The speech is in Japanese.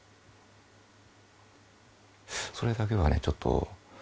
それだけはねちょっと。